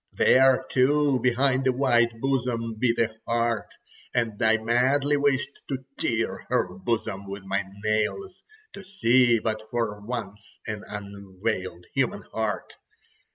There, too, behind a white bosom beat a heart, and I madly wished to tear her bosom with my nails, to see but for once an unveiled human heart.